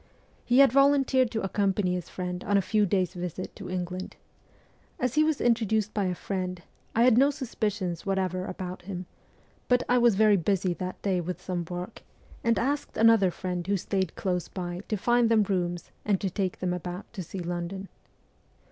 He had volunteered to accompany his friend on a few days' visit to England. As he was introduced by a friend, I had no suspicions whatever about him ; but I was very busy that day with some work, and asked another friend who stayed close by to find them rooms and to take them about to see London.